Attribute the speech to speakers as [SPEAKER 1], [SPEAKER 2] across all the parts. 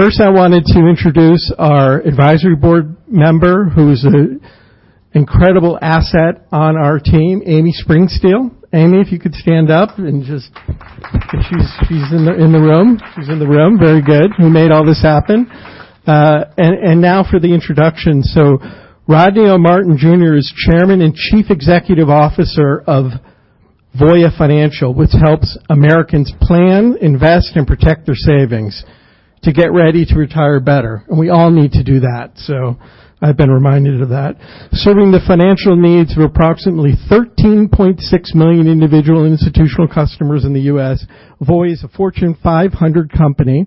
[SPEAKER 1] First, I wanted to introduce our advisory board member, who's an incredible asset on our team, Amy Springsteel. Amy, if you could stand up and just She's in the room. Very good. Who made all this happen. Now for the introduction. Rodney O. Martin Jr. is Chairman and Chief Executive Officer of Voya Financial, which helps Americans plan, invest, and protect their savings to get ready to retire better. We all need to do that, so I've been reminded of that. Serving the financial needs of approximately 13.6 million individual institutional customers in the U.S. Voya is a Fortune 500 company.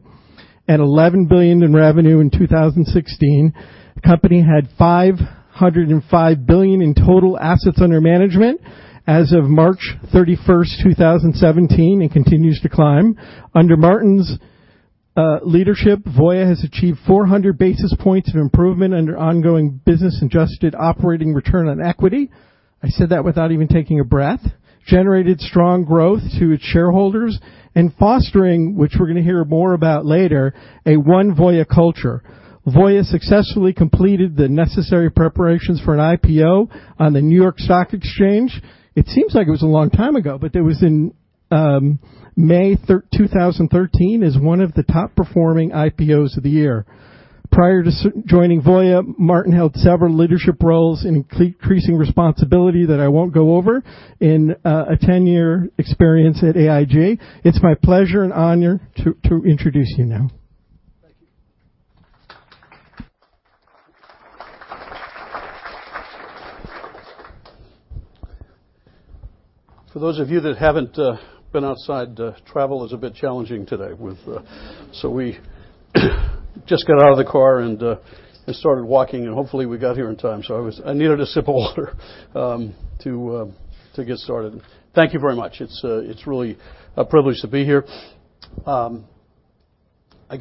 [SPEAKER 1] At $11 billion in revenue in 2016, the company had $505 billion in total assets under management as of March 31, 2017, and continues to climb. Under Martin's leadership, Voya has achieved 400 basis points of improvement under ongoing business-adjusted operating return on equity, I said that without even taking a breath, generated strong growth to its shareholders, and fostering, which we're going to hear more about later, a One Voya culture. Voya successfully completed the necessary preparations for an IPO on the New York Stock Exchange. It seems like it was a long time ago, but it was in May 2013, as one of the top-performing IPOs of the year. Prior to joining Voya, Martin held several leadership roles in increasing responsibility that I won't go over in a 10-year experience at AIG. It's my pleasure and honor to introduce you now.
[SPEAKER 2] Thank you. For those of you that haven't been outside, travel is a bit challenging today with We just got out of the car and started walking, and hopefully, we got here on time. I needed a sip of water to get started. Thank you very much. It's really a privilege to be here. I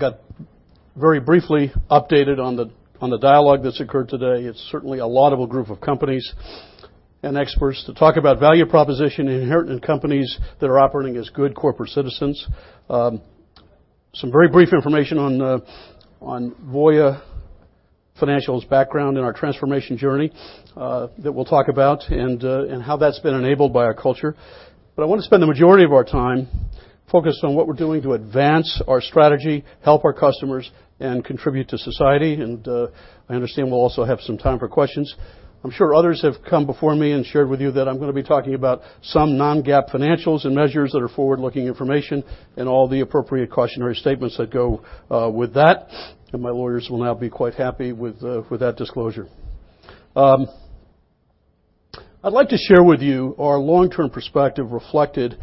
[SPEAKER 2] got very briefly updated on the dialogue that's occurred today. It's certainly a laudable group of companies and experts to talk about value proposition in inherited companies that are operating as good corporate citizens. Some very brief information on Voya Financial's background and our transformation journey that we'll talk about and how that's been enabled by our culture. I want to spend the majority of our time focused on what we're doing to advance our strategy, help our customers, and contribute to society. I understand we'll also have some time for questions. I'm sure others have come before me and shared with you that I'm going to be talking about some non-GAAP financials and measures that are forward-looking information and all the appropriate cautionary statements that go with that. My lawyers will now be quite happy with that disclosure. I'd like to share with you our long-term perspective reflected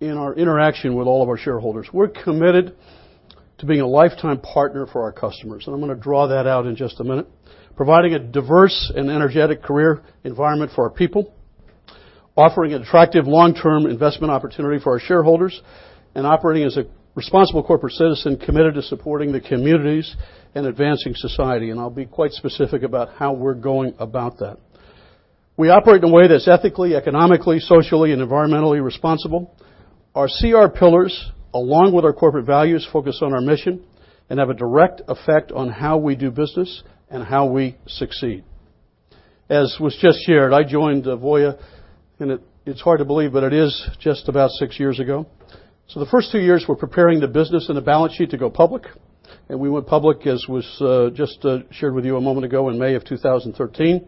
[SPEAKER 2] in our interaction with all of our shareholders. We're committed to being a lifetime partner for our customers, and I'm going to draw that out in just a minute. Providing a diverse and energetic career environment for our people, offering an attractive long-term investment opportunity for our shareholders, and operating as a responsible corporate citizen committed to supporting the communities and advancing society. I'll be quite specific about how we're going about that. We operate in a way that's ethically, economically, socially, and environmentally responsible. Our CR pillars, along with our corporate values, focus on our mission and have a direct effect on how we do business and how we succeed. As was just shared, I joined Voya, and it's hard to believe, but it is just about six years ago. The first two years were preparing the business and the balance sheet to go public, and we went public, as was just shared with you a moment ago, in May 2013.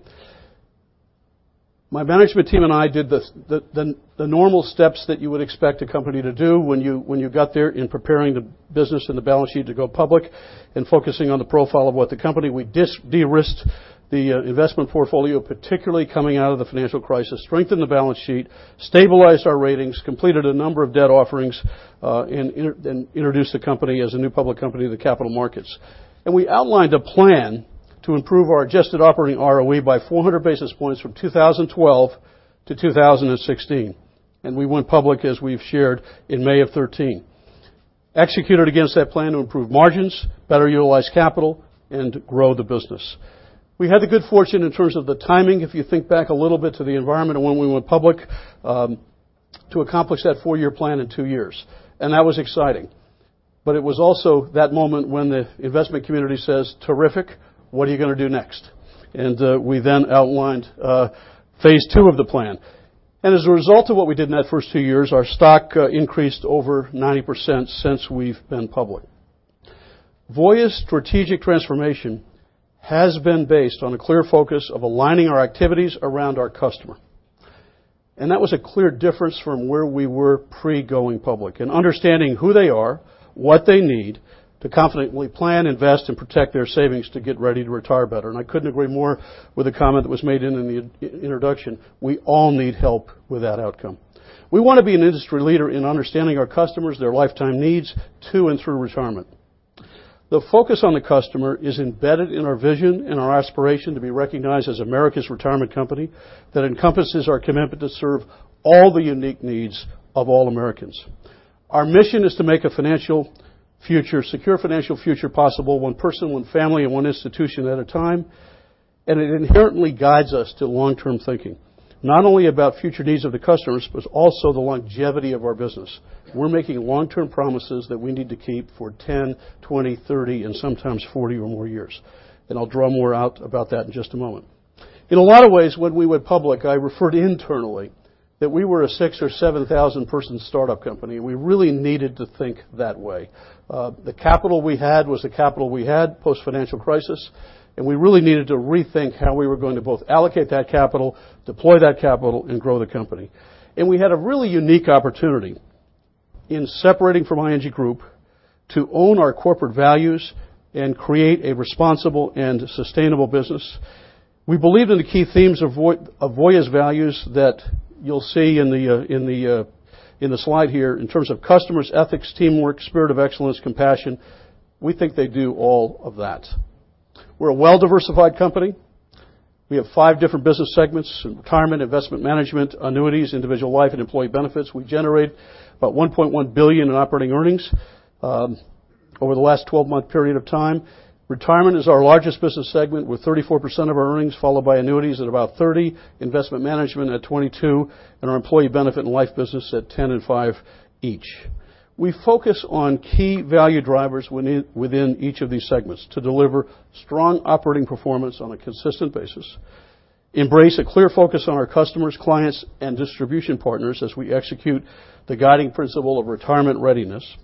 [SPEAKER 2] My management team and I did the normal steps that you would expect a company to do when you got there in preparing the business and the balance sheet to go public and focusing on the profile of what the company, we de-risked the investment portfolio, particularly coming out of the financial crisis, strengthened the balance sheet, stabilized our ratings, completed a number of debt offerings, and introduced the company as a new public company to the capital markets. We outlined a plan to improve our adjusted operating ROE by 400 basis points from 2012 to 2016. We went public, as we've shared, in May 2013. Executed against that plan to improve margins, better utilize capital, and grow the business. We had the good fortune in terms of the timing, if you think back a little bit to the environment of when we went public, to accomplish that four-year plan in two years. That was exciting. It was also that moment when the investment community says, "Terrific. What are you going to do next?" We then outlined phase two of the plan. As a result of what we did in that first two years, our stock increased over 90% since we've been public. Voya's strategic transformation has been based on a clear focus of aligning our activities around our customer. That was a clear difference from where we were pre-going public and understanding who they are, what they need to confidently plan, invest, and protect their savings to get ready to retire better. I couldn't agree more with the comment that was made in the introduction. We all need help with that outcome. We want to be an industry leader in understanding our customers, their lifetime needs to and through retirement. The focus on the customer is embedded in our vision and our aspiration to be recognized as America's retirement company that encompasses our commitment to serve all the unique needs of all Americans. Our mission is to make a secure financial future possible one person, one family, and one institution at a time. It inherently guides us to long-term thinking, not only about future needs of the customers, but also the longevity of our business. We're making long-term promises that we need to keep for 10, 20, 30, and sometimes 40 or more years. I'll draw more out about that in just a moment. In a lot of ways, when we went public, I referred internally that we were a 6,000 or 7,000-person startup company, we really needed to think that way. The capital we had was the capital we had post-financial crisis, we really needed to rethink how we were going to both allocate that capital, deploy that capital, and grow the company. We had a really unique opportunity in separating from ING Group to own our corporate values and create a responsible and sustainable business. We believe in the key themes of Voya's values that you'll see in the slide here in terms of customers, ethics, teamwork, spirit of excellence, compassion. We think they do all of that. We are a well-diversified company. We have five different business segments, Retirement, Investment Management, Annuities, Individual Life, and Employee Benefits. We generate about $1.1 billion in operating earnings over the last 12-month period of time. Retirement is our largest business segment, with 34% of our earnings, followed by Annuities at about 30%, Investment Management at 22%, and our Employee Benefits and Life business at 10% and 5% each. We focus on key value drivers within each of these segments to deliver strong operating performance on a consistent basis, embrace a clear focus on our customers, clients, and distribution partners as we execute the guiding principle of retirement readiness,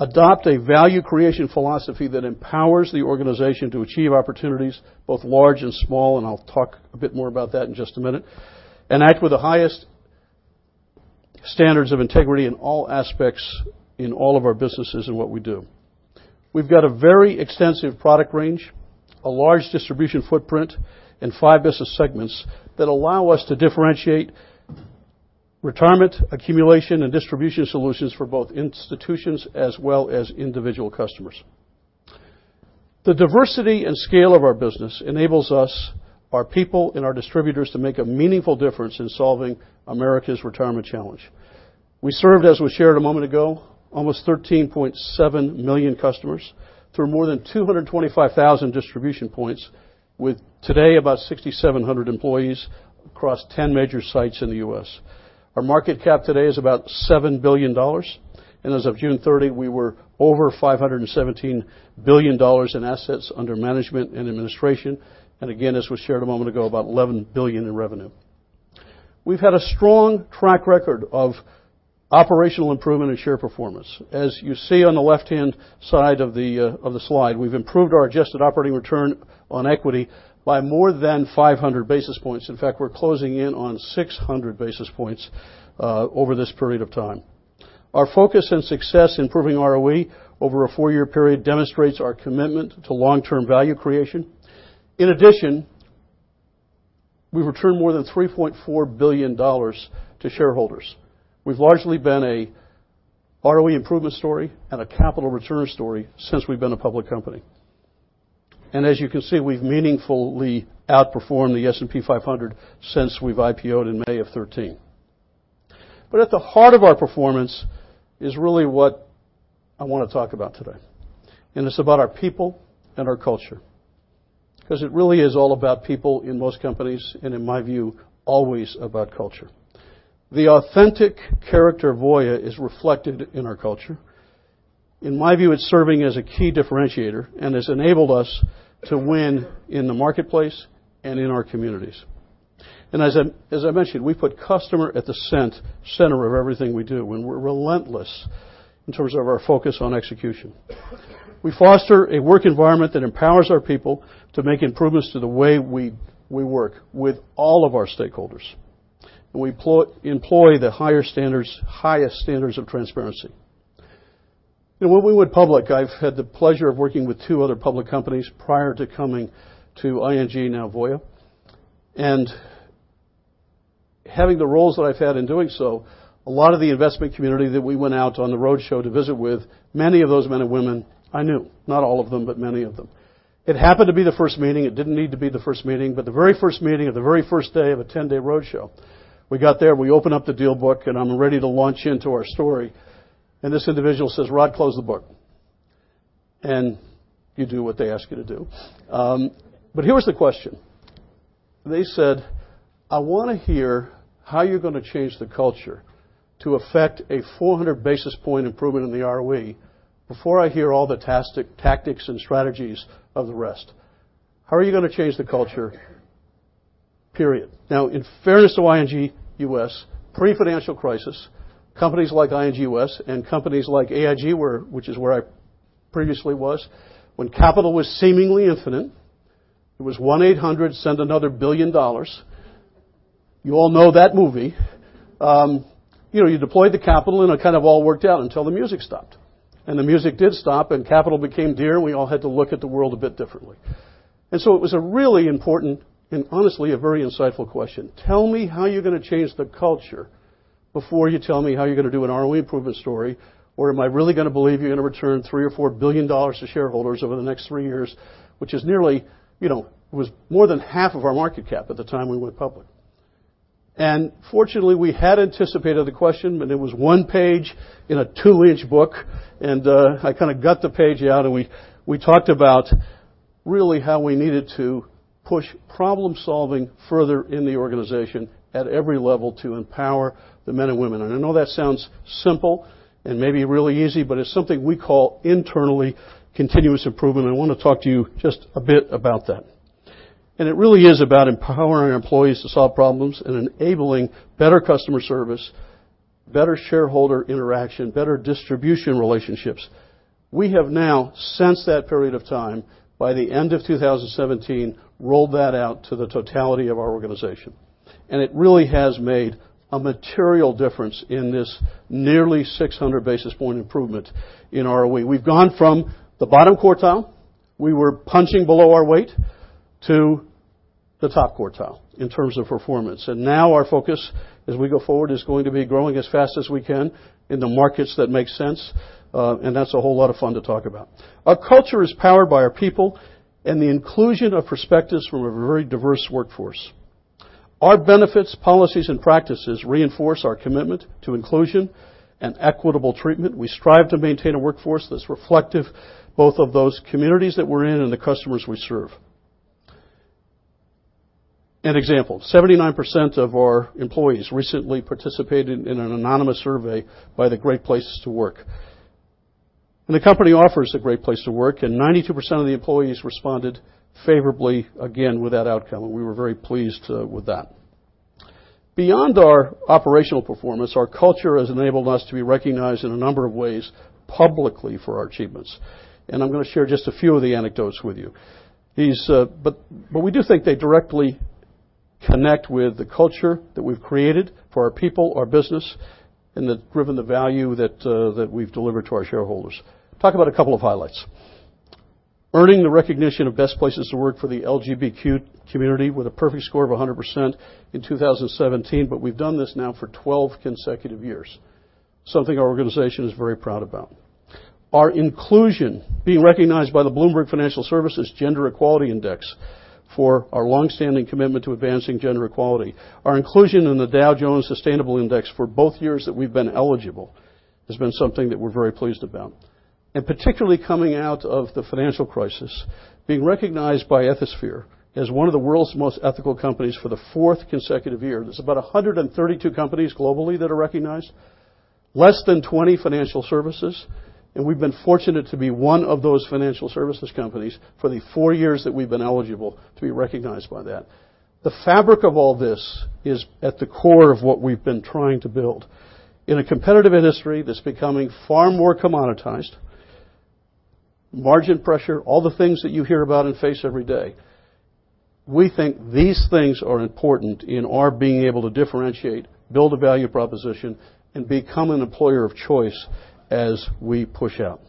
[SPEAKER 2] adopt a value creation philosophy that empowers the organization to achieve opportunities both large and small, and I'll talk a bit more about that in just a minute, act with the highest standards of integrity in all aspects in all of our businesses and what we do. We've got a very extensive product range, a large distribution footprint, five business segments that allow us to differentiate retirement accumulation and distribution solutions for both institutions as well as individual customers. The diversity and scale of our business enables us, our people, and our distributors to make a meaningful difference in solving America's retirement challenge. We served, as we shared a moment ago, almost 13.7 million customers through more than 225,000 distribution points with today about 6,700 employees across 10 major sites in the U.S. Our market cap today is about $7 billion. As of June 30, we were over $517 billion in assets under management and administration. Again, as we shared a moment ago, about $11 billion in revenue. We've had a strong track record of operational improvement and share performance. As you see on the left-hand side of the slide, we've improved our adjusted operating return on equity by more than 500 basis points. In fact, we're closing in on 600 basis points over this period of time. Our focus and success improving ROE over a four-year period demonstrates our commitment to long-term value creation. In addition, we returned more than $3.4 billion to shareholders. We've largely been a ROE improvement story and a capital return story since we've been a public company. As you can see, we've meaningfully outperformed the S&P 500 since we've IPO'd in May of 2013. At the heart of our performance is really what I want to talk about today, it's about our people and our culture, because it really is all about people in most companies, in my view, always about culture. The authentic character of Voya is reflected in our culture. In my view, it's serving as a key differentiator and has enabled us to win in the marketplace and in our communities. As I mentioned, we put customer at the center of everything we do, and we're relentless in terms of our focus on execution. We foster a work environment that empowers our people to make improvements to the way we work with all of our stakeholders. We employ the highest standards of transparency. When we went public, I've had the pleasure of working with two other public companies prior to coming to ING, now Voya. Having the roles that I've had in doing so, a lot of the investment community that we went out on the roadshow to visit with, many of those men and women I knew. Not all of them, but many of them. It happened to be the first meeting. It didn't need to be the first meeting, but the very first meeting of the very first day of a 10-day roadshow, we got there, we open up the deal book, I'm ready to launch into our story, and this individual says, "Rod, close the book." You do what they ask you to do. Here was the question. They said, "I want to hear how you're going to change the culture to affect a 400 basis point improvement in the ROE before I hear all the tactics and strategies of the rest. How are you going to change the culture? Period." In fairness to ING U.S., pre-financial crisis, companies like ING U.S. and companies like AIG, which is where I previously was, when capital was seemingly infinite, it was 1-800 send another $1 billion. You all know that movie. You deployed the capital, it kind of all worked out until the music stopped. The music did stop and capital became dear. We all had to look at the world a bit differently. It was a really important and honestly, a very insightful question. Tell me how you're going to change the culture before you tell me how you're going to do an ROE improvement story, or am I really going to believe you're going to return $3 billion or $4 billion to shareholders over the next three years, which was more than half of our market cap at the time we went public. Fortunately, we had anticipated the question, but it was one page in a two-inch book, and I got the page out, and we talked about really how we needed to push problem-solving further in the organization at every level to empower the men and women. I know that sounds simple and maybe really easy, but it's something we call internally continuous improvement, and I want to talk to you just a bit about that. It really is about empowering employees to solve problems and enabling better customer service, better shareholder interaction, better distribution relationships. We have now, since that period of time, by the end of 2017, rolled that out to the totality of our organization, and it really has made a material difference in this nearly 600 basis point improvement in ROE. We've gone from the bottom quartile, we were punching below our weight, to the top quartile in terms of performance. Now our focus as we go forward is going to be growing as fast as we can in the markets that make sense, and that's a whole lot of fun to talk about. Our culture is powered by our people and the inclusion of perspectives from a very diverse workforce. Our benefits, policies, and practices reinforce our commitment to inclusion and equitable treatment. We strive to maintain a workforce that's reflective both of those communities that we're in and the customers we serve. An example, 79% of our employees recently participated in an anonymous survey by the Great Place to Work. The company offers a Great Place to Work, and 92% of the employees responded favorably again with that outcome, and we were very pleased with that. Beyond our operational performance, our culture has enabled us to be recognized in a number of ways publicly for our achievements. I'm going to share just a few of the anecdotes with you. We do think they directly connect with the culture that we've created for our people, our business, and that driven the value that we've delivered to our shareholders. Talk about a couple of highlights. Earning the recognition of Best Places to Work for LGBTQ Equality with a perfect score of 100% in 2017, but we've done this now for 12 consecutive years, something our organization is very proud about. Our inclusion, being recognized by the Bloomberg Gender-Equality Index for our longstanding commitment to advancing gender equality. Our inclusion in the Dow Jones Sustainability Index for both years that we've been eligible has been something that we're very pleased about. Particularly coming out of the financial crisis, being recognized by Ethisphere as one of the world's most ethical companies for the fourth consecutive year. There's about 132 companies globally that are recognized, less than 20 financial services. We've been fortunate to be one of those financial services companies for the four years that we've been eligible to be recognized by that. The fabric of all this is at the core of what we've been trying to build. In a competitive industry that's becoming far more commoditized, margin pressure, all the things that you hear about and face every day, we think these things are important in our being able to differentiate, build a value proposition, and become an employer of choice as we push out.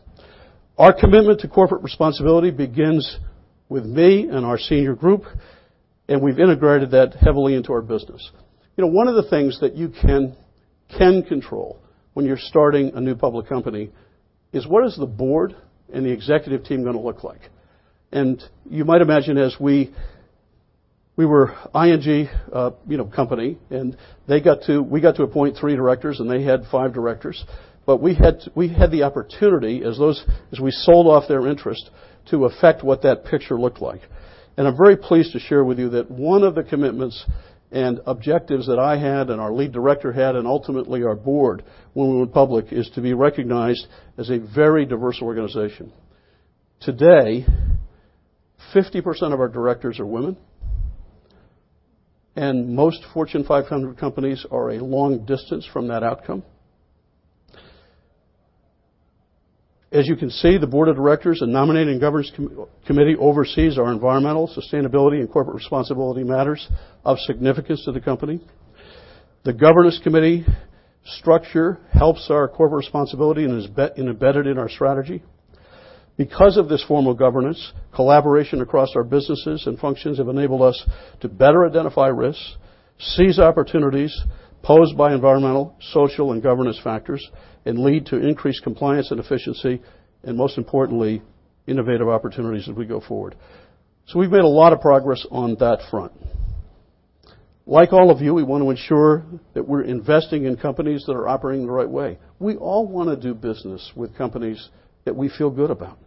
[SPEAKER 2] Our commitment to corporate responsibility begins with me and our senior group. We've integrated that heavily into our business. One of the things that you can control when you're starting a new public company is what is the board and the executive team going to look like? You might imagine, as we were ING company, we got to appoint three directors, they had five directors, but we had the opportunity as we sold off their interest to affect what that picture looked like. I'm very pleased to share with you that one of the commitments and objectives that I had, our lead director had, and ultimately our board when we went public is to be recognized as a very diverse organization. Today, 50% of our directors are women, most Fortune 500 companies are a long distance from that outcome. As you can see, the board of directors and nominating governance committee oversees our environmental sustainability and Corporate Responsibility matters of significance to the company. The governance committee structure helps our Corporate Responsibility and is embedded in our strategy. Because of this form of governance, collaboration across our businesses and functions have enabled us to better identify risks, seize opportunities posed by environmental, social, and governance factors, and lead to increased compliance and efficiency, and most importantly, innovative opportunities as we go forward. We've made a lot of progress on that front. Like all of you, we want to ensure that we're investing in companies that are operating the right way. We all want to do business with companies that we feel good about.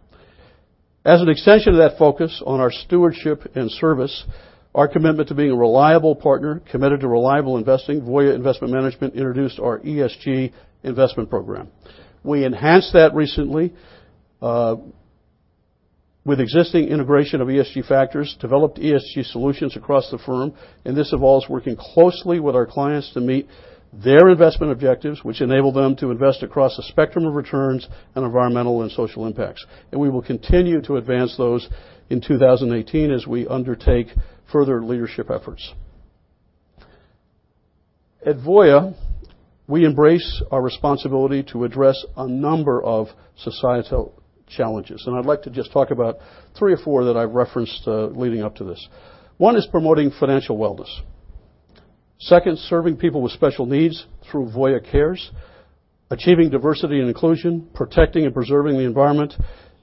[SPEAKER 2] As an extension of that focus on our stewardship and service, our commitment to being a reliable partner committed to reliable investing, Voya Investment Management introduced our ESG investment program. We enhanced that recently with existing integration of ESG factors, developed ESG solutions across the firm. This involves working closely with our clients to meet their investment objectives, which enable them to invest across a spectrum of returns and environmental and social impacts. We will continue to advance those in 2018 as we undertake further leadership efforts. At Voya, we embrace our responsibility to address a number of societal challenges, and I'd like to just talk about three or four that I've referenced leading up to this. One is promoting financial wellness. Second, serving people with special needs through Voya Cares, achieving diversity and inclusion, protecting and preserving the environment,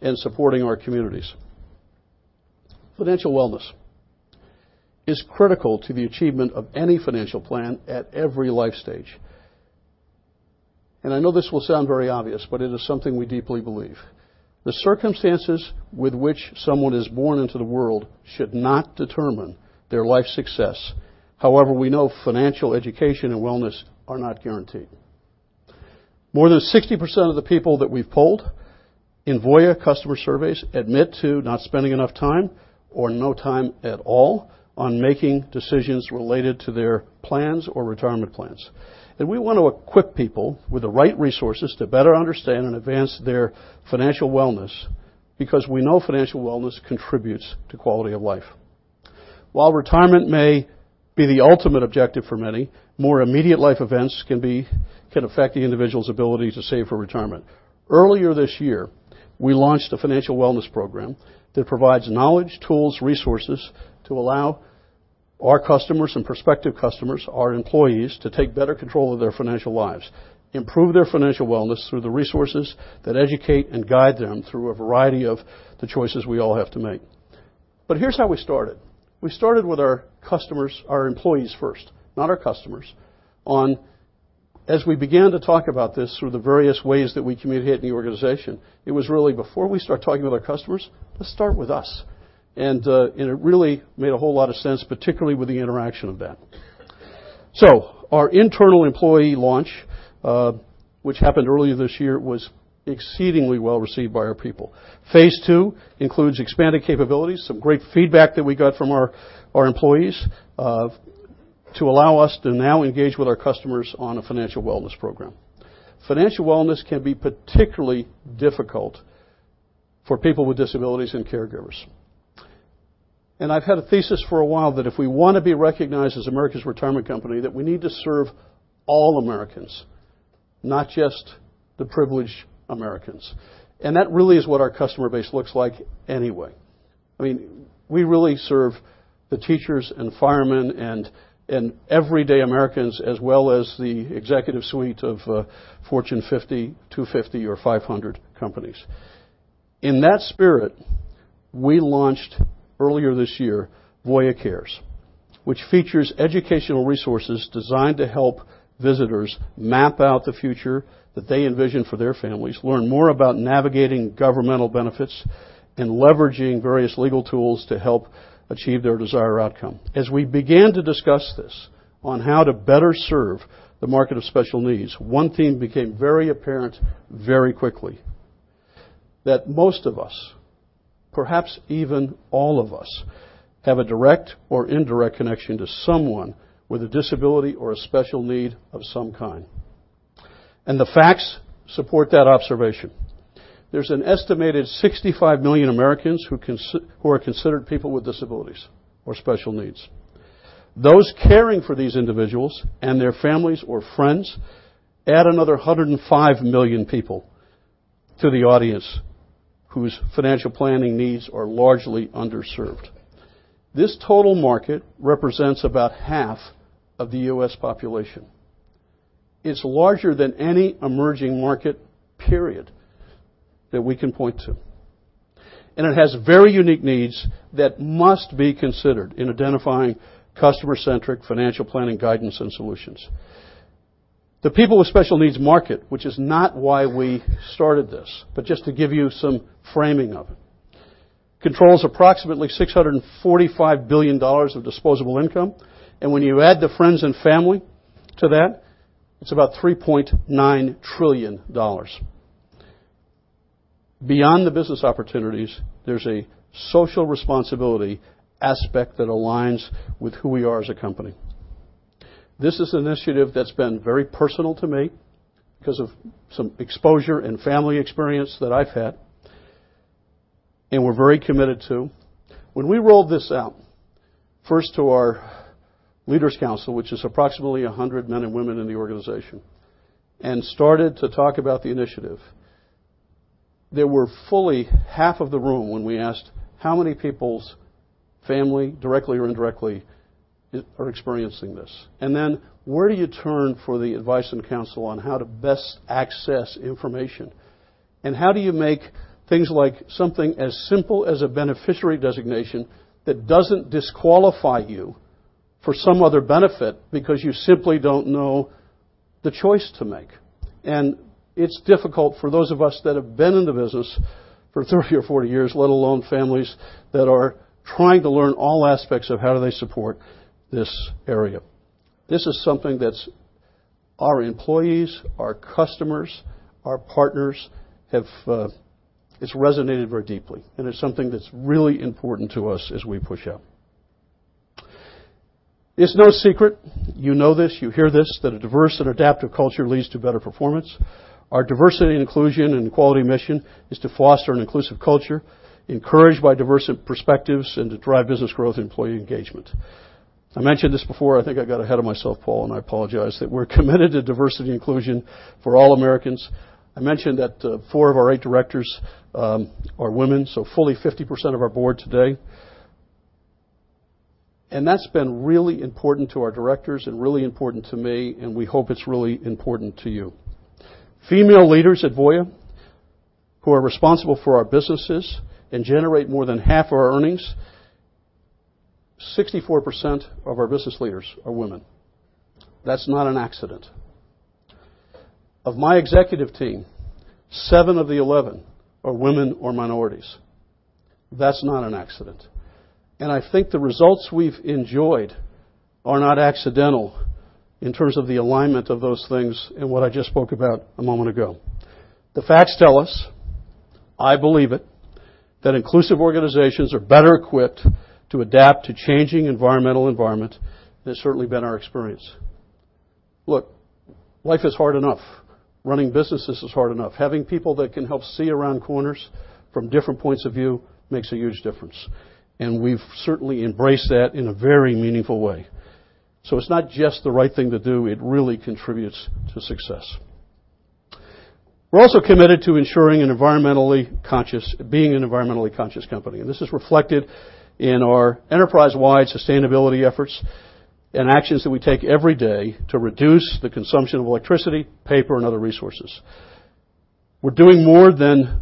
[SPEAKER 2] and supporting our communities. Financial wellness is critical to the achievement of any financial plan at every life stage. I know this will sound very obvious, but it is something we deeply believe. The circumstances with which someone is born into the world should not determine their life success. However, we know financial education and wellness are not guaranteed. More than 60% of the people that we've polled in Voya customer surveys admit to not spending enough time, or no time at all, on making decisions related to their plans or retirement plans. We want to equip people with the right resources to better understand and advance their financial wellness, because we know financial wellness contributes to quality of life. While retirement may be the ultimate objective for many, more immediate life events can affect the individual's ability to save for retirement. Earlier this year, we launched a financial wellness program that provides knowledge, tools, resources to allow our customers and prospective customers, our employees, to take better control of their financial lives, improve their financial wellness through the resources that educate and guide them through a variety of the choices we all have to make. Here's how we started. We started with our employees first, not our customers. As we began to talk about this through the various ways that we communicate in the organization, it was really before we start talking with our customers, let's start with us. It really made a whole lot of sense, particularly with the interaction of that. Our internal employee launch, which happened earlier this year, was exceedingly well-received by our people. Phase 2 includes expanded capabilities, some great feedback that we got from our employees, to allow us to now engage with our customers on a financial wellness program. Financial wellness can be particularly difficult for people with disabilities and caregivers. I've had a thesis for a while that if we want to be recognized as America's retirement company, that we need to serve all Americans, not just the privileged Americans. That really is what our customer base looks like anyway. We really serve the teachers and firemen and everyday Americans as well as the executive suite of Fortune 50, 250, or 500 companies. In that spirit, we launched earlier this year Voya Cares, which features educational resources designed to help visitors map out the future that they envision for their families, learn more about navigating governmental benefits, and leveraging various legal tools to help achieve their desired outcome. As we began to discuss this on how to better serve the market of special needs, one theme became very apparent very quickly, that most of us, perhaps even all of us, have a direct or indirect connection to someone with a disability or a special need of some kind. The facts support that observation. There's an estimated 65 million Americans who are considered people with disabilities or special needs. Those caring for these individuals and their families or friends add another 105 million people to the audience whose financial planning needs are largely underserved. This total market represents about half of the U.S. population. It's larger than any emerging market, period, that we can point to. It has very unique needs that must be considered in identifying customer-centric financial planning guidance and solutions. The people with special needs market, which is not why we started this, but just to give you some framing of it, controls approximately $645 billion of disposable income. When you add the friends and family to that, it's about $3.9 trillion. Beyond the business opportunities, there's a social responsibility aspect that aligns with who we are as a company. This is an initiative that's been very personal to me because of some exposure and family experience that I've had, and we're very committed to. When we rolled this out, first to our leaders council, which is approximately 100 men and women in the organization, and started to talk about the initiative, there were fully half of the room when we asked how many people's family, directly or indirectly, are experiencing this. Then where do you turn for the advice and counsel on how to best access information? How do you make things like something as simple as a beneficiary designation that doesn't disqualify you for some other benefit because you simply don't know the choice to make? It's difficult for those of us that have been in the business for 30 or 40 years, let alone families that are trying to learn all aspects of how do they support this area. This is something that our employees, our customers, our partners, it's resonated very deeply, and it's something that's really important to us as we push out. It's no secret, you know this, you hear this, that a diverse and adaptive culture leads to better performance. Our diversity and inclusion and equality mission is to foster an inclusive culture encouraged by diverse perspectives and to drive business growth and employee engagement. I mentioned this before, I think I got ahead of myself, Paul, I apologize, that we're committed to diversity inclusion for all Americans. I mentioned that 4 of our 8 directors are women, so fully 50% of our board today. That's been really important to our directors and really important to me, We hope it's really important to you. Female leaders at Voya who are responsible for our businesses and generate more than half of our earnings, 64% of our business leaders are women. That's not an accident. Of my executive team, seven of the 11 are women or minorities. That's not an accident. I think the results we've enjoyed are not accidental in terms of the alignment of those things and what I just spoke about a moment ago. The facts tell us, I believe it, that inclusive organizations are better equipped to adapt to changing environment. That's certainly been our experience. Look, life is hard enough. Running businesses is hard enough. Having people that can help see around corners from different points of view makes a huge difference, We've certainly embraced that in a very meaningful way. It's not just the right thing to do, it really contributes to success. We're also committed to ensuring being an environmentally conscious company, This is reflected in our enterprise-wide sustainability efforts and actions that we take every day to reduce the consumption of electricity, paper, and other resources. We're doing more than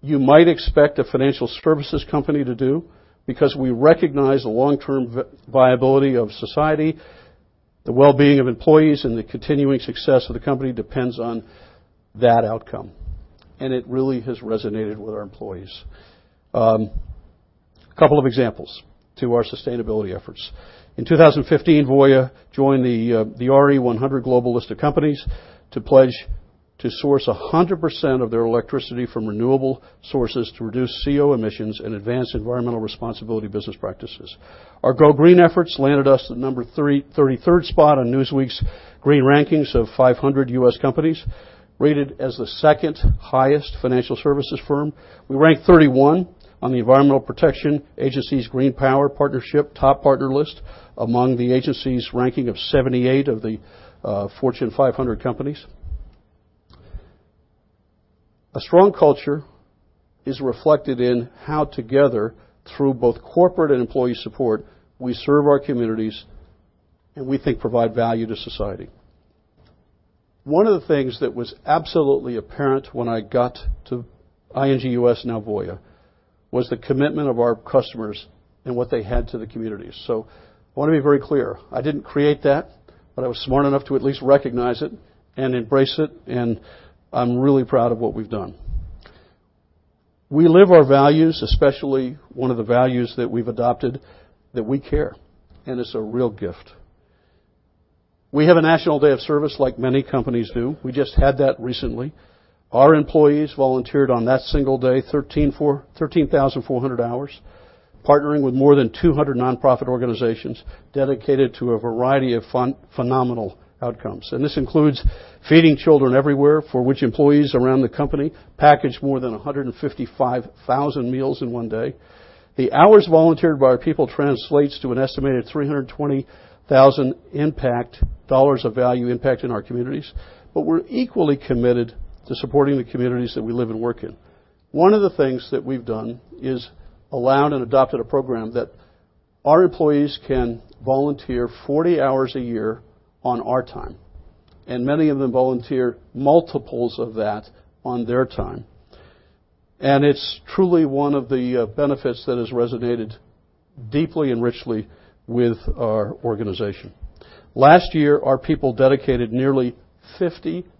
[SPEAKER 2] you might expect a financial services company to do because we recognize the long-term viability of society, the wellbeing of employees, The continuing success of the company depends on that outcome, It really has resonated with our employees. A couple of examples of our sustainability efforts. In 2015, Voya joined the RE100 global list of companies to pledge to source 100% of their electricity from renewable sources to reduce CO2 emissions and advance environmental responsibility business practices. Our Go Green efforts landed us the number 33rd spot on Newsweek's Green Rankings of 500 U.S. companies, rated as the second highest financial services firm. We ranked 31 on the Environmental Protection Agency's Green Power Partnership top partner list among the agency's ranking of 78 of the Fortune 500 companies. A strong culture is reflected in how together, through both corporate and employee support, we serve our communities We think provide value to society. One of the things that was absolutely apparent when I got to ING U.S., now Voya, was the commitment of our customers and what they had to the community. I want to be very clear, I didn't create that, I was smart enough to at least recognize it and embrace it, I'm really proud of what we've done. We live our values, especially one of the values that we've adopted, that we care, It's a real gift. We have a National Day of Service like many companies do. We just had that recently. Our employees volunteered on that single day 13,400 hours, partnering with more than 200 nonprofit organizations dedicated to a variety of phenomenal outcomes. This includes feeding children everywhere, for which employees around the company packaged more than 155,000 meals in one day. The hours volunteered by our people translates to an estimated $320,000 impact dollars of value impact in our communities. We're equally committed to supporting the communities that we live and work in. One of the things we've done is allowed and adopted a program that our employees can volunteer 40 hours a year on our time, and many of them volunteer multiples of that on their time. It's truly one of the benefits that has resonated deeply and richly with our organization. Last year, our people dedicated nearly 50,000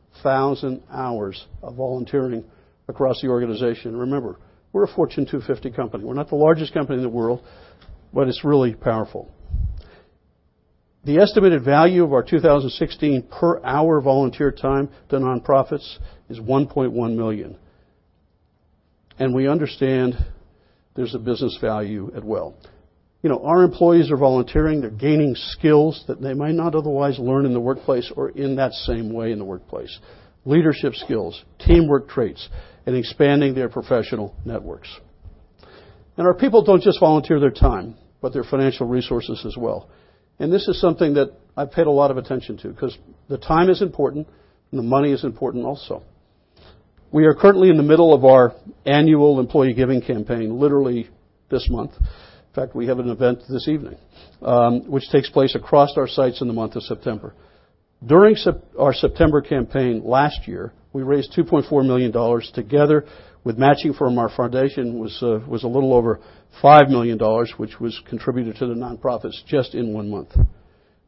[SPEAKER 2] hours of volunteering across the organization. Remember, we're a Fortune 250 company. We're not the largest company in the world, but it's really powerful. The estimated value of our 2016 per hour volunteer time to nonprofits is $1.1 million, and we understand there's a business value as well. Our employees are volunteering. They're gaining skills that they might not otherwise learn in the workplace or in that same way in the workplace, leadership skills, teamwork traits, and expanding their professional networks. Our people don't just volunteer their time, but their financial resources as well. This is something that I paid a lot of attention to because the time is important and the money is important also. We are currently in the middle of our annual employee giving campaign, literally this month. In fact, we have an event this evening, which takes place across our sites in the month of September. During our September campaign last year, we raised $2.4 million together with matching from our foundation was a little over $5 million, which was contributed to the nonprofits just in one month.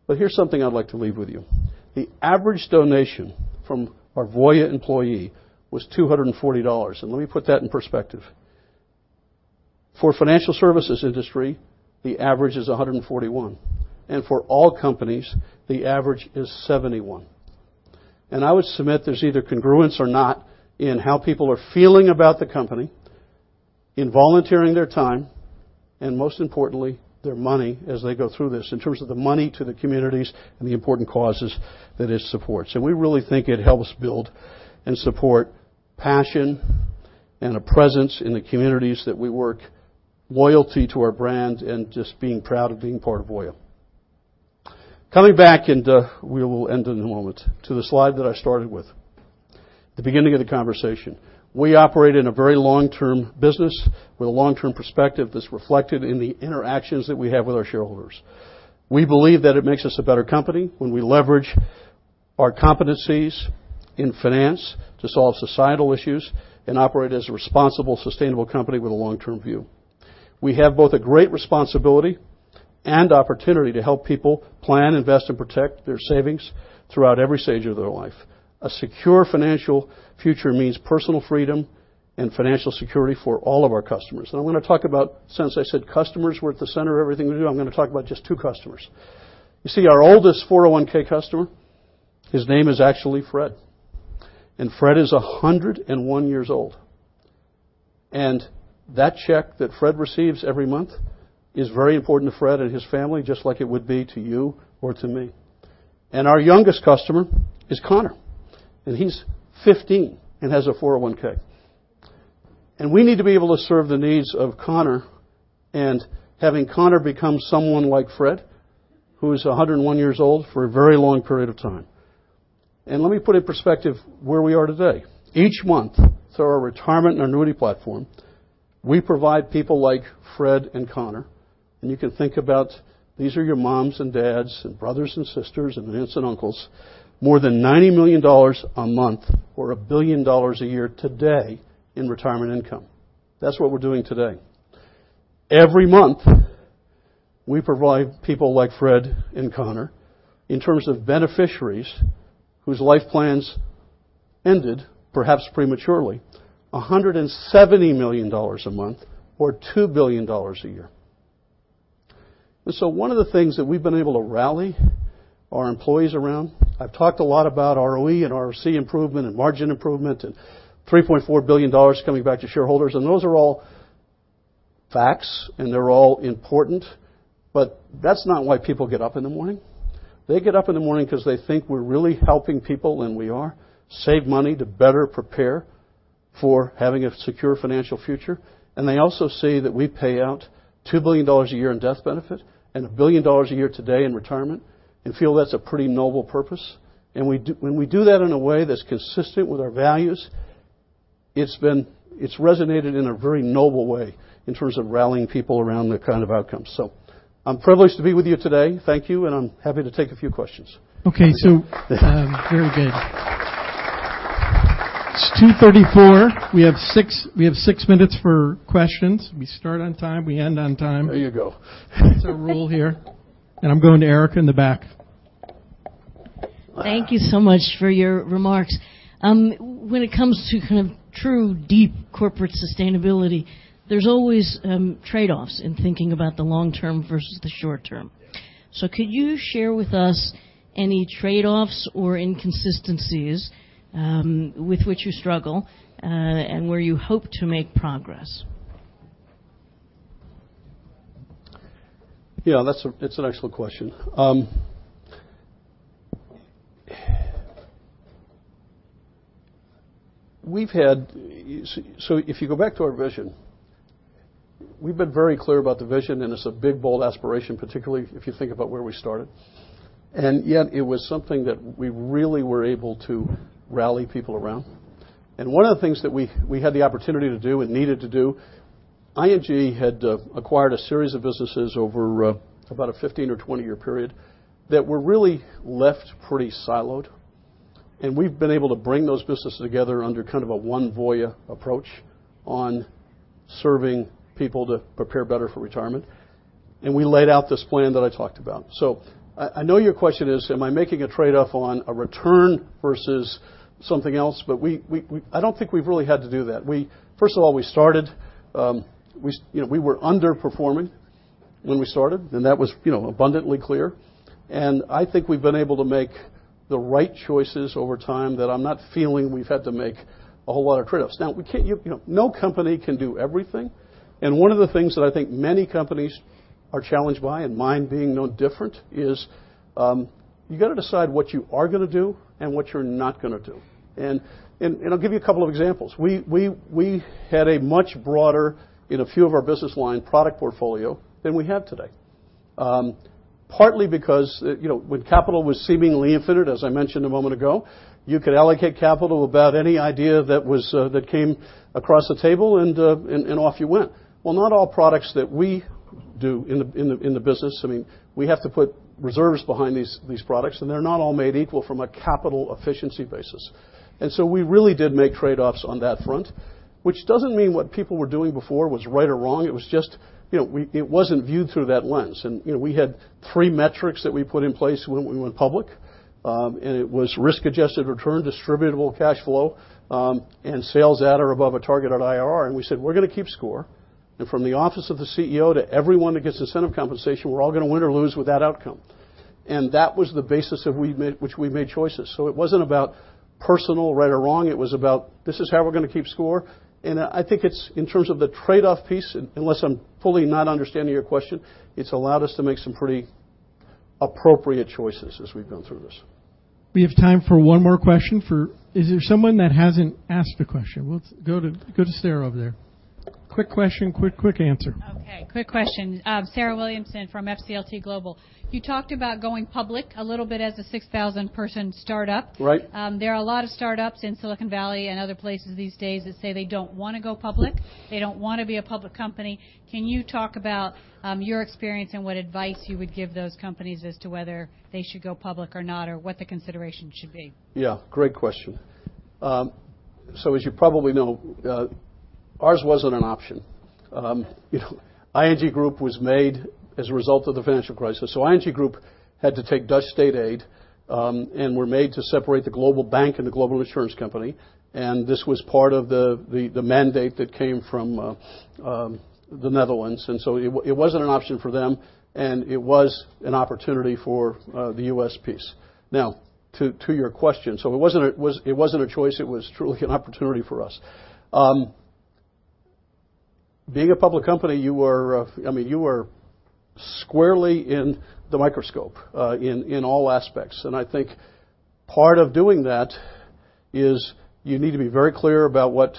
[SPEAKER 2] Here's something I'd like to leave with you. The average donation from our Voya employee was $240. Let me put that in perspective. For financial services industry, the average is $141. For all companies, the average is $71. I would submit there's either congruence or not in how people are feeling about the company in volunteering their time, and most importantly, their money as they go through this in terms of the money to the communities and the important causes that it supports. We really think it helps build and support passion and a presence in the communities that we work, loyalty to our brand, and just being proud of being part of Voya. Coming back, we will end in a moment, to the slide that I started with at the beginning of the conversation. We operate in a very long-term business with a long-term perspective that's reflected in the interactions that we have with our shareholders. We believe that it makes us a better company when we leverage our competencies in finance to solve societal issues and operate as a responsible, sustainable company with a long-term view. We have both a great responsibility and opportunity to help people plan, invest, and protect their savings throughout every stage of their life. A secure financial future means personal freedom and financial security for all of our customers. I'm going to talk about, since I said customers were at the center of everything we do, I'm going to talk about just two customers. You see, our oldest 401(k) customer, his name is actually Fred, and Fred is 101 years old. That check that Fred receives every month is very important to Fred and his family, just like it would be to you or to me. Our youngest customer is Connor, and he's 15 and has a 401(k). We need to be able to serve the needs of Connor and having Connor become someone like Fred, who is 101 years old, for a very long period of time. Let me put in perspective where we are today. Each month, through our retirement and annuity platform, we provide people like Fred and Connor, and you can think about these are your moms and dads and brothers and sisters and aunts and uncles, more than $90 million a month or $1 billion a year today in retirement income. That's what we're doing today. Every month, we provide people like Fred and Connor, in terms of beneficiaries whose life plans ended perhaps prematurely, $170 million a month or $2 billion a year. One of the things that we've been able to rally our employees around, I've talked a lot about ROE and ROC improvement and margin improvement and $3.4 billion coming back to shareholders, those are all facts and they're all important, but that's not why people get up in the morning. They get up in the morning because they think we're really helping people, and we are, save money to better prepare for having a secure financial future. They also see that we pay out $2 billion a year in death benefit and $1 billion a year today in retirement and feel that's a pretty noble purpose. When we do that in a way that's consistent with our values, it's resonated in a very noble way in terms of rallying people around the kind of outcomes. I'm privileged to be with you today. Thank you, I'm happy to take a few questions.
[SPEAKER 1] Okay. Very good. It's 2:34 P.M. We have six minutes for questions. We start on time, we end on time.
[SPEAKER 2] There you go.
[SPEAKER 1] It's a rule here. I'm going to Erica in the back.
[SPEAKER 3] Thank you so much for your remarks. When it comes to kind of true deep corporate sustainability, there's always trade-offs in thinking about the long term versus the short term.
[SPEAKER 2] Yes.
[SPEAKER 3] Could you share with us any trade-offs or inconsistencies with which you struggle and where you hope to make progress?
[SPEAKER 2] Yeah, that's an excellent question. If you go back to our vision, we've been very clear about the vision and it's a big, bold aspiration, particularly if you think about where we started. Yet it was something that we really were able to rally people around. One of the things that we had the opportunity to do and needed to do, ING had acquired a series of businesses over about a 15 or 20-year period that were really left pretty siloed. We've been able to bring those businesses together under kind of a One Voya approach on serving people to prepare better for retirement. We laid out this plan that I talked about. I know your question is, am I making a trade-off on a return versus something else? I don't think we've really had to do that. First of all, we were underperforming when we started and that was abundantly clear. I think we've been able to make the right choices over time that I'm not feeling we've had to make a whole lot of trade-offs. Now, no company can do everything. One of the things that I think many companies are challenged by, and mine being no different, is you got to decide what you are going to do and what you're not going to do. I'll give you a couple of examples. We had a much broader, in a few of our business line product portfolio than we have today. Partly because when capital was seemingly infinite, as I mentioned a moment ago, you could allocate capital about any idea that came across the table and off you went. Well, not all products that we do in the business, we have to put reserves behind these products and they're not all made equal from a capital efficiency basis. We really did make trade-offs on that front, which doesn't mean what people were doing before was right or wrong. It was just it wasn't viewed through that lens. We had three metrics that we put in place when we went public. It was risk-adjusted return, distributable cash flow, and sales at or above a targeted IRR. We said, "We're going to keep score. From the office of the CEO to everyone that gets incentive compensation, we're all going to win or lose with that outcome." That was the basis which we made choices. It wasn't about personal right or wrong. It was about this is how we're going to keep score. I think it's in terms of the trade-off piece, unless I'm fully not understanding your question, it's allowed us to make some pretty appropriate choices as we've gone through this.
[SPEAKER 1] We have time for one more question for. Is there someone that hasn't asked a question? We'll go to Sarah over there. Quick question, quick answer.
[SPEAKER 4] Okay, quick question. Sarah Williamson from FCLTGlobal. You talked about going public a little bit as a 6,000-person startup.
[SPEAKER 2] Right.
[SPEAKER 4] There are a lot of startups in Silicon Valley and other places these days that say they don't want to go public, they don't want to be a public company. Can you talk about your experience and what advice you would give those companies as to whether they should go public or not, or what the consideration should be?
[SPEAKER 2] Yeah, great question. As you probably know, ours wasn't an option. ING Group was made as a result of the financial crisis. ING Group had to take Dutch state aid, were made to separate the global bank and the global insurance company, and this was part of the mandate that came from the Netherlands. It wasn't an option for them, and it was an opportunity for the U.S. piece. Now, to your question. It wasn't a choice. It was truly an opportunity for us. Being a public company, you are squarely in the microscope, in all aspects. I think part of doing that is you need to be very clear about what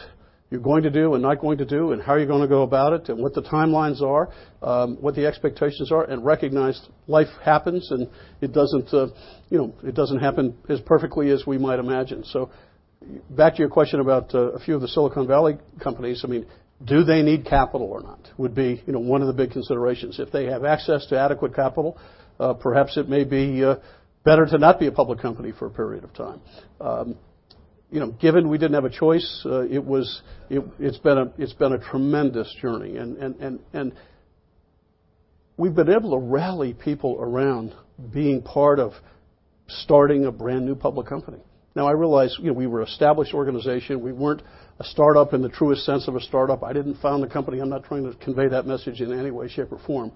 [SPEAKER 2] you're going to do and not going to do, and how you're going to go about it, and what the timelines are, what the expectations are, and recognize life happens and it doesn't happen as perfectly as we might imagine. Back to your question about a few of the Silicon Valley companies. Do they need capital or not, would be one of the big considerations. If they have access to adequate capital, perhaps it may be better to not be a public company for a period of time. Given we didn't have a choice, it's been a tremendous journey. We've been able to rally people around being part of starting a brand-new public company. Now, I realize we were an established organization. We weren't a startup in the truest sense of a startup. I didn't found the company. I'm not trying to convey that message in any way, shape, or form.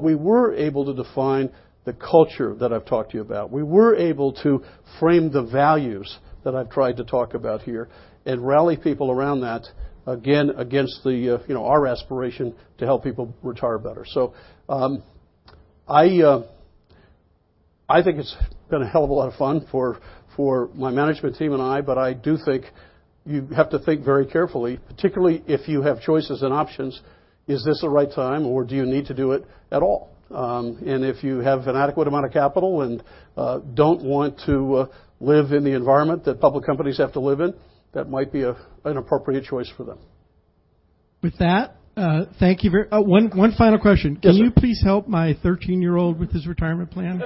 [SPEAKER 2] We were able to define the culture that I've talked to you about. We were able to frame the values that I've tried to talk about here and rally people around that, again, against our aspiration to help people retire better. I think it's been a hell of a lot of fun for my management team and I, but I do think you have to think very carefully, particularly if you have choices and options. Is this the right time, or do you need to do it at all? If you have an adequate amount of capital and don't want to live in the environment that public companies have to live in, that might be an appropriate choice for them.
[SPEAKER 1] With that, thank you very. Oh, one final question.
[SPEAKER 2] Yes, sir.
[SPEAKER 1] Can you please help my 13-year-old with his retirement plan?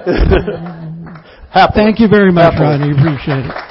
[SPEAKER 2] Happy to.
[SPEAKER 1] Thank you very much, Rodney. Appreciate it.